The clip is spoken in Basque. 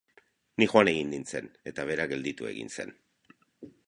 Ni joan egin nintzen, eta bera gelditu egin zen.